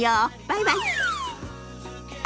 バイバイ。